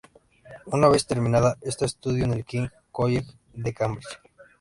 Una vez terminada esta, estudió en el King's College de Cambridge.